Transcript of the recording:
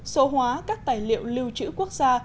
số hóa các tài liệu lưu trữ quốc gia